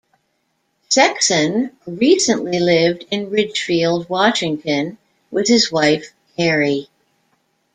Sexson recently lived in Ridgefield, Washington with his wife Kerry.